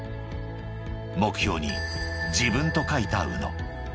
［目標に「自分」と書いた宇野。